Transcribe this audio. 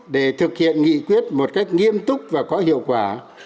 để thực hiện nghị quyết một cách nghiêm túc và có hiệu quả